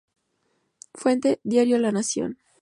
Fuente: Diario La Nación.